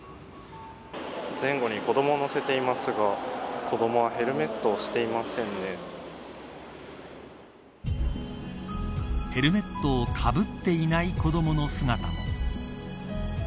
前後に子どもを乗せていますが子どもはヘルメットをかぶっていない子どもの姿も。